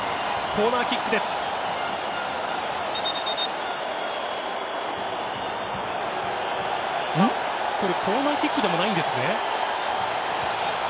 コーナーキックでもないんですね。